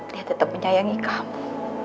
dia tetap menyayangi kamu